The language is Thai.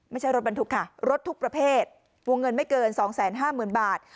ไม่ใช่รถบรรทุกค่ะรถทุกประเภทวงเงินไม่เกิน๒๕๐๐๐บาท